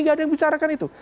gak ada yang bicarakan itu